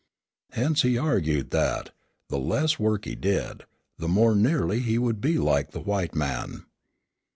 Hence he argued that, the less work he did, the more nearly he would be like the white man.